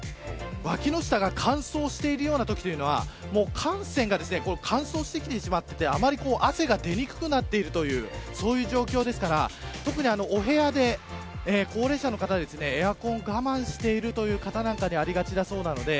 脇の下が乾燥してるときは汗腺が乾燥してきてしまって汗が出にくくなっているという状況ですから特に、お部屋で高齢者の方、エアコンを我慢してるという方にありがちだそうです。